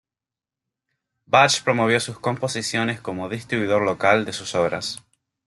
Bach promovió sus composiciones como distribuidor local de sus obras.